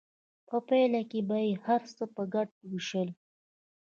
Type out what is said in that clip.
په پایله کې به یې هر څه په ګډه ویشل.